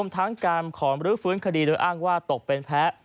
ทั้งการขอมรื้อฟื้นคดีโดยอ้างว่าตกเป็นแพ้